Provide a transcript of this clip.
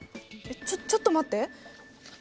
ちょちょっと待って！